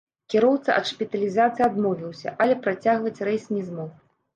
Кіроўца ад шпіталізацыі адмовіўся, але працягваць рэйс не змог.